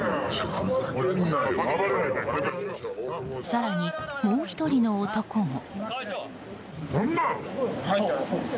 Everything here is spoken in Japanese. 更に、もう１人の男も。